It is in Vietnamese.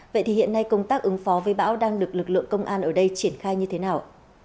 vậy thì hiện nay công tác ứng phó với bão đang được lực lượng công an ở đây triển khai như thế nào